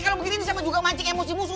kalau begini sama juga mancing emosi musuh